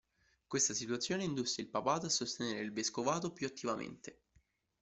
Questa situazione indusse il papato a sostenere il vescovato più attivamente.